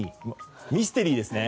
ミステリーですね！